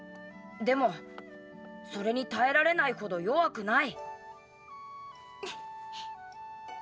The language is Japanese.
でもそれに耐えられないほど弱くない。